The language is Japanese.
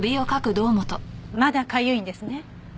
まだかゆいんですね？